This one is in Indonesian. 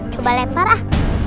coba lempar ah